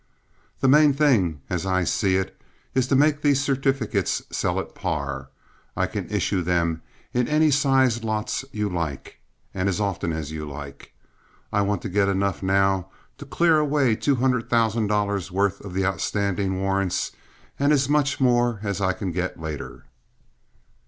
"The main thing, as I see it, is to make these certificates sell at par. I can issue them in any sized lots you like, and as often as you like. I want to get enough now to clear away two hundred thousand dollars' worth of the outstanding warrants, and as much more as I can get later."